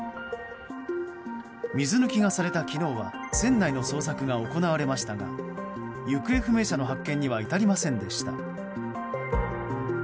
水抜きがされた昨日は船内の捜索が行われましたが行方不明者の発見には至りませんでした。